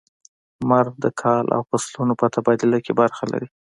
• لمر د کال او فصلونو په تبادله کې برخه لري.